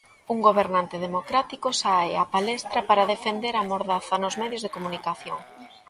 Un gobernante democrático sae á palestra para defender a mordaza nos medios de comunicación.